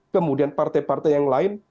kemudian partai partai yang lain